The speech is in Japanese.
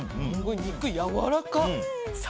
肉、やわらかい。